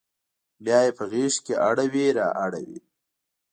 بیا یې په غیږ کې اړوي را اوړي